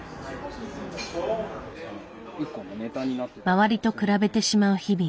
周りと比べてしまう日々。